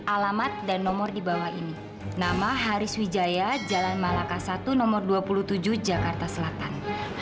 alamat dan nomor di bawah ini nama haris wijaya jalan malaka satu nomor dua puluh tujuh jakarta selatan